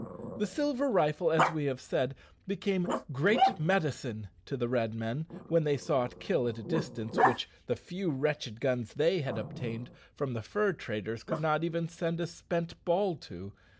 The silver rifle, as we have said, became "great medicine" to the Red men when they saw it kill at a distance which the few wretched guns they had obtained from the fur traders could not even send a spent ball to.